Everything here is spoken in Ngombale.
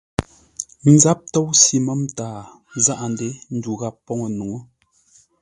Záp tóusʉ mə̂m-taa, záʼa-ndě ndu ghap poŋə́ nuŋú.